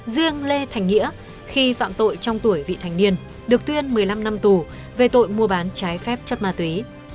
riêng lê thành nghĩa khi phạm tội trong tuổi vị thành niên được tuyên một mươi năm năm tù về tội mua bán trái phép chất ma túy